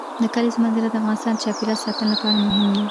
د کلیزو منظره د افغانستان د چاپیریال ساتنې لپاره مهم دي.